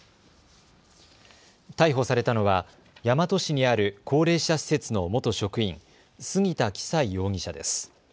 逮捕されたのは大和市にある高齢者施設の元職員、杉田企才容疑者です。